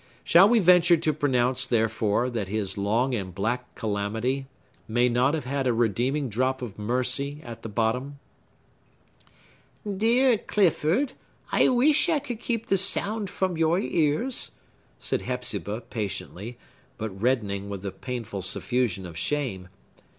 Shall we venture to pronounce, therefore, that his long and black calamity may not have had a redeeming drop of mercy at the bottom? "Dear Clifford, I wish I could keep the sound from your ears," said Hepzibah, patiently, but reddening with a painful suffusion of shame.